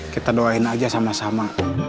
kita doain aja sama sama